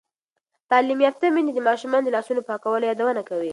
تعلیم یافته میندې د ماشومانو د لاسونو پاکولو یادونه کوي.